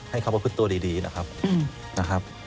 ให้เขาพฤตัวดีนะครับ